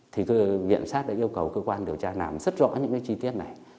thì viện sát đã yêu cầu cơ quan điều tra làm rất rõ những cái chi tiết này